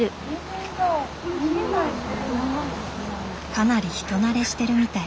かなり人慣れしてるみたい。